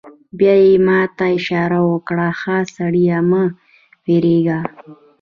بیا یې ما ته اشاره وکړه: ښه سړی، مه وېرېږه.